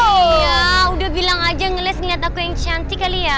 iya udah bilang aja ngeles ngeliat aku yang cantik kali ya